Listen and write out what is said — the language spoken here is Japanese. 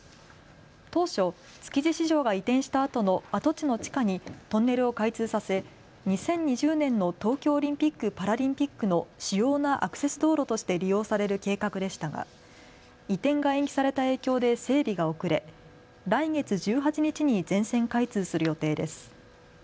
当初、築地市場が移転したあとの跡地の地下にトンネルを開通させ２０２０年の東京オリンピック・パラリンピックの主要なアクセス道路として利用される計画でしたが移転が延期された影響で整備が遅れ、来月１８日に全線開通する予定です。